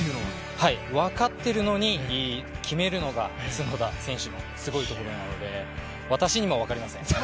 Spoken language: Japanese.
分かってるのに決めるのが角田選手のすごいところなので、私にも分かりません。